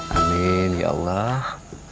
amin ya allah